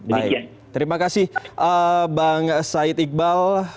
baik terima kasih bang said iqbal